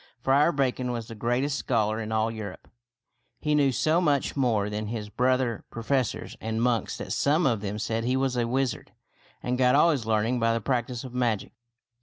Friar Bacon was the greatest scholar in all Europe. He knew so much more than his brother professors and monks that some of them said he was a wizard and got all his learning by the practice of magic.